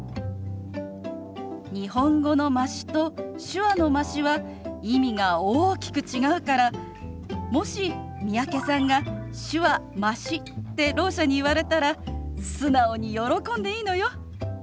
日本語の「まし」と手話の「まし」は意味が大きく違うからもし三宅さんが「手話まし」ってろう者に言われたら素直に喜んでいいのよ。